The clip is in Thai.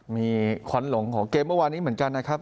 มีขวัญหลงของเกมเมื่อวานนี้เหมือนกันนะครับ